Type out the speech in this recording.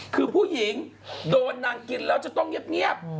คือผู้หญิงโดนนางกินแล้วจะต้องเงียบ